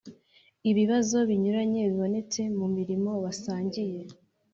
ibibazo binyuranye bibonetse mu murimo basangiye